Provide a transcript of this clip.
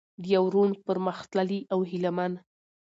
د يو روڼ، پرمختللي او هيله من